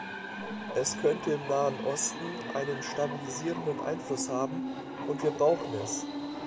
Es könnte im Nahen Osten einen stabilisierenden Einfluss haben, und wir brauchen es.